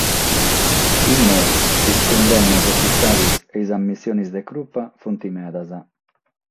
Como sas cundennas ufitziales e sas ammissiones de curpa sunt medas.